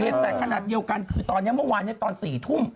แต่ขนาดเดียวกันคือตอนนี้เมื่อวานตอน๔ทุ่ม